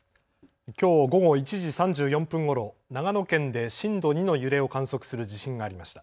きょう午後１時３４分ごろ長野県で震度２の揺れを観測する地震がありました。